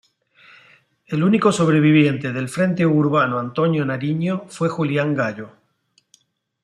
El único sobreviviente del Frente Urbano Antonio Nariño fue Julián Gallo.